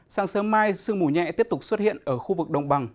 sáng sớm mai sương mù nhẹ tiếp tục xuất hiện ở khu vực đồng bằng